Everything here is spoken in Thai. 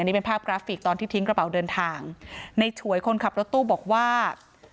นี่เป็นภาพกราฟิกตอนที่ทิ้งกระเป๋าเดินทางในฉวยคนขับรถตู้บอกว่า